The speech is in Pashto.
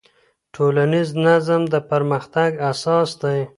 ټولنيز نظم د پرمختګ اساس دی.